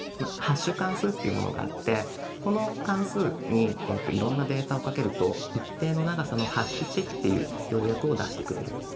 ハッシュ関数っていうものがあってこの関数にいろんなデータをかけると一定の長さのハッシュ値っていう要約を出してくれる。